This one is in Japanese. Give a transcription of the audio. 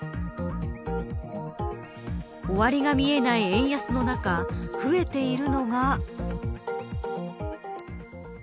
終わりが見えない円安の中増えているのが。